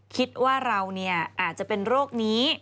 คิดว่าเราอาจจะเป็นโรคนี้